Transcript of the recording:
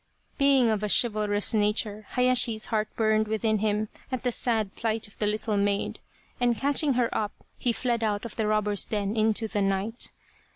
Being of a chivalrous nature Hayashi's heart burned within him at the sad plight of the little maid, and catching her up he fled out of the robber's den into the night.